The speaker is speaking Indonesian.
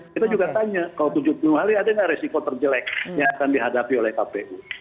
kita juga tanya kalau tujuh puluh hari ada nggak resiko terjelek yang akan dihadapi oleh kpu